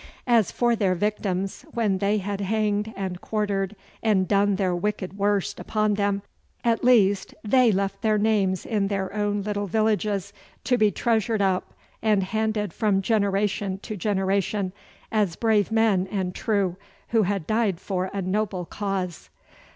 As for their victims, when they had hanged and quartered and done their wicked worst upon them, at least they left their names in their own little villages, to be treasured up and handed from generation to generation, as brave men and true who had died for a noble cause.